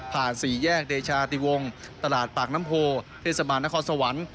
สี่แยกเดชาติวงตลาดปากน้ำโพเทศบาลนครสวรรค์